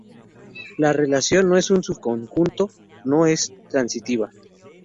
La relación "no es subconjunto" no es transitiva.